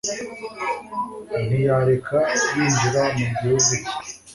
ntiyareka binjira mu gihugu cye